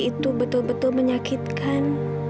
itu betul betul menyakitkan